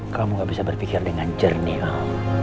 kamu gak bisa berpikir dengan jernih